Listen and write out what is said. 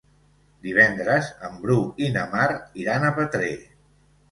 Divendres en Bru i na Mar iran a Petrer.